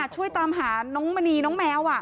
ช่วยตามหาน้องมณีน้องแมว